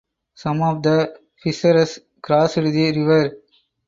Some of the fissures crossed the river.